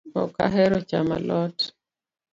Ok ahero chamo alot